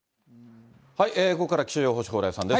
ここから気象予報士、蓬莱さんです。